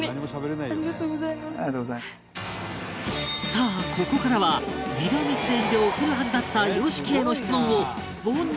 さあここからはビデオメッセージで送るはずだった ＹＯＳＨＩＫＩ への質問をご本人に直接ぶつける